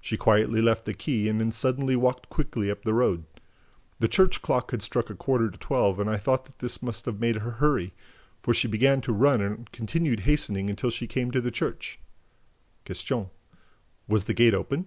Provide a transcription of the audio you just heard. She quietly left the quay and then suddenly walked quickly up the road. The church clock had struck a quarter to twelve and I thought that this must have made her hurry, for she began almost to run and continued hastening until she came to the church." Q. "Was the gate open?"